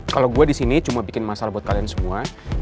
kalau gue disini cuma bikin masalah buat kalian semua